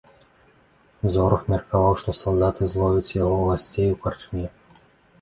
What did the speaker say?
Зорах меркаваў, што салдаты зловяць яго гасцей у карчме.